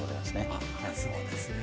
あそうですね。